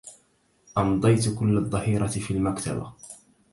أمضيت كل الظهيرة في المكتبة.